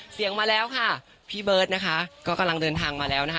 มาแล้วค่ะพี่เบิร์ตนะคะก็กำลังเดินทางมาแล้วนะคะ